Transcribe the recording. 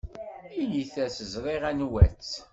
Init-as ẓriɣ anwa-tt.